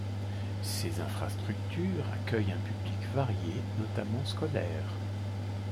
Ces infrastructures accueillent un public varié, notamment scolaire.